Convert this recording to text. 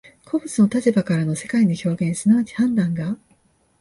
個物の立場からの世界の表現即ち判断が、